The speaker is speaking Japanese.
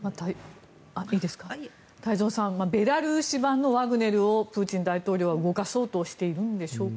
太蔵さんベラルーシ版のワグネルをプーチン大統領は動かそうとしているんでしょうか。